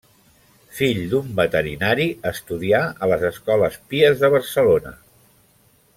Fill d'un veterinari, estudià a les Escoles Pies de Barcelona.